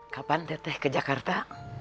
kapan teteh ke jakarta